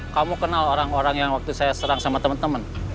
kamu kenal orang orang yang waktu saya serang sama teman teman